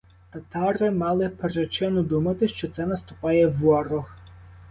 Татари мали причину думати, що це наступає ворог.